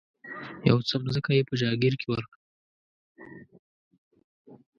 یو څه مځکه یې په جاګیر کې ورکړه.